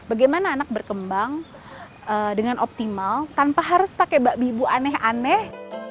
bagaimana anak berkembang dengan optimal tanpa harus pakai bakbi ibu aneh aneh